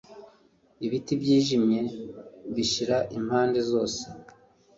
Ibiti byijimye bishira impande zose